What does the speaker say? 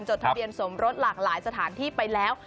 จดทะเบียนสมรสหลากหลายสถานที่ไปแล้ว